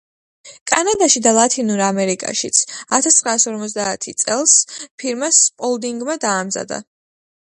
კანადაში და ლათინურ ამერიკაშიც. ათასცხრაასოთხმოცდაათი წელს ფირმა „სპოლდინგმა“ დაამზადა